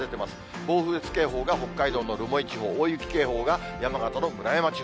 暴風雪警報が北海道の留萌地方、が山形の村山地方。